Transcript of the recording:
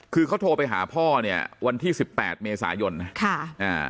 คือเขาโทรไปหาพ่อเนี่ยวันที่สิบแปดเมษายนนะค่ะอ่า